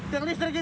yang listrik gitu